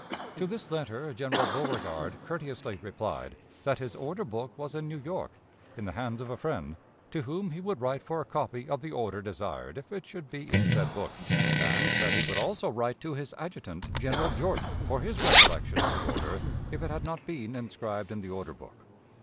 To this letter General Beauregard courteously replied that his order book was in New York, in the hands of a friend, to whom he would write for a copy of the order desired if it should be in said book, and that he would also write to his adjutant, General Jordan, for his recollection of the order if it had not been inscribed in the order book.